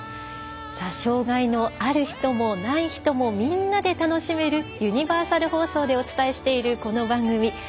障がいのある人も、ない人もみんなで楽しめるユニバーサル放送でお伝えしている、この番組。